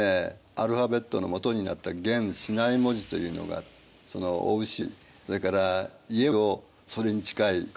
アルファベットの基になった原シナイ文字というのがその雄牛それから家をそれに近い形に。